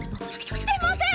してません！